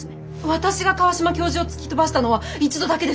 私が川島教授を突き飛ばしたのは一度だけです。